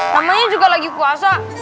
namanya juga lagi puasa